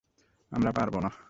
আমরা পারব না।